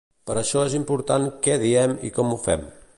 Per això és important què diem i com ho fem.